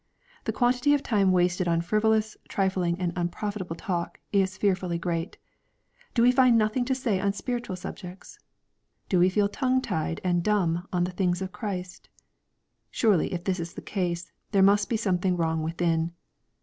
The quan tity of time wasted on frivolous, trifling, and unprofitable talk, is fearfully great. — Do we find nothing to say on spiritual subjects ? Do we feel tongue tied and dumb on the things of Christ ? Surely if this is the case, there must be something wrong within.